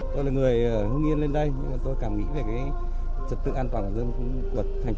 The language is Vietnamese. tôi là người ở hưng yên lên đây nhưng tôi cảm nghĩ về trật tự an toàn giao thông